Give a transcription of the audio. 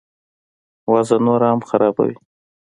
وضع نوره هم خرابوي.